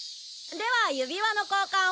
では指輪の交換を。